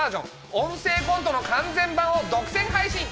「音声コント」の完全版を独占配信！